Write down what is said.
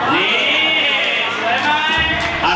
นี่สวยไหม